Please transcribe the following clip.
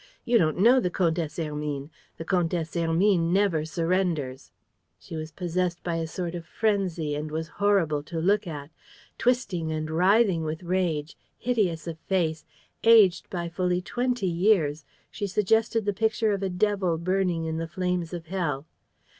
You don't know the Comtesse Hermine! The Comtesse Hermine never surrenders! ..." She was possessed by a sort of frenzy and was horrible to look at. Twisting and writhing with rage, hideous of face, aged by fully twenty years, she suggested the picture of a devil burning in the flames of hell.